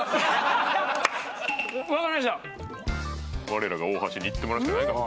我らが大橋にいってもらうしかないか。